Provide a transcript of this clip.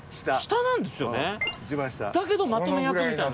だけどまとめ役みたいな。